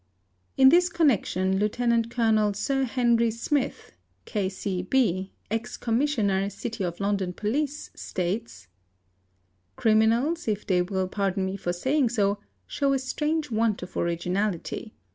| In this connection Lieut. Col. Sir Henry Smith, K.C.B., Ex Com — missioner, City of London Police, states @!:—" Criminals, if they will pardon me for saying so, show a strange want of originality.